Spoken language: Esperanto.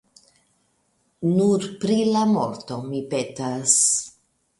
Nur pri la morto mi petas!